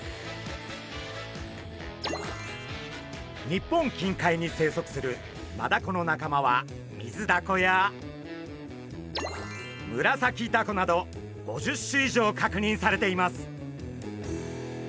日本近海に生息するマダコの仲間はミズダコやムラサキダコなど５０種以上確認されています。